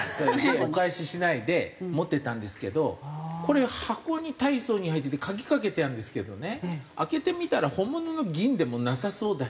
お返ししないで持ってたんですけどこれ箱に大層に入ってて鍵かけてあるんですけどね開けてみたら本物の銀でもなさそうだし。